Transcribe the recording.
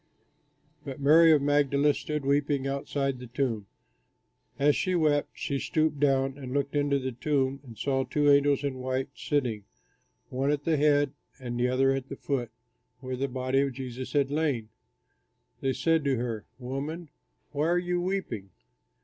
But Mary of Magdala stood weeping outside the tomb. As she wept, she stooped down and looked into the tomb and saw two angels in white sitting, one at the head and the other at the feet, where the body of Jesus had lain. They said to her, "Woman, why are you weeping?"